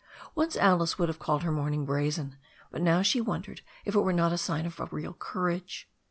Once Alice would have called her mourning brazen, but now she wondered if it were not a sign of a real courage.